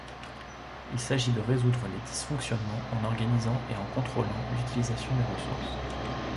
Il s'agit de résoudre les dysfonctionnements en organisant et en contrôlant l'utilisation des ressources.